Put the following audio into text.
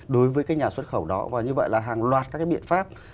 đối với các nhà xuất khẩu đó và như vậy là hàng loạt các cái biện pháp